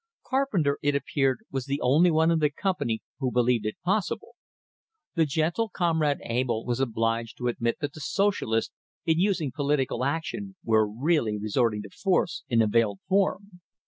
Carpenter, it appeared, was the only one in the company who believed it possible. The gentle Comrade Abell was obliged to admit that the Socialists, in using political action, were really resorting to force in a veiled form.